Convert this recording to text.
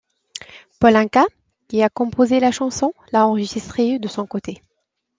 Paul Anka, qui a composé la chanson, l'a enregistrée de son côté.